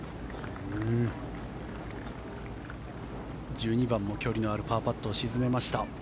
１２番も距離のあるパーパットを沈めました。